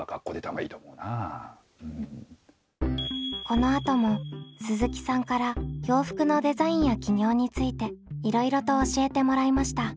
このあとも鈴木さんから洋服のデザインや起業についていろいろと教えてもらいました。